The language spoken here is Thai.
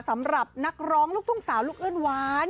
สำหรับนักร้องลูกทุ่งสาวลูกเอื้อนหวาน